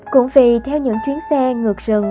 cũng vì theo những chuyến xe ngược rừng